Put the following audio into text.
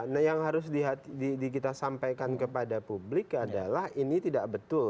nah yang harus kita sampaikan kepada publik adalah ini tidak betul